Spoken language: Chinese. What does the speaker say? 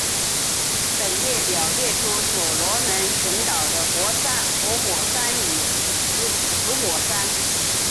本列表列出所罗门群岛的活火山与死火山。